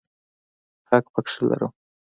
حق پکې لرم.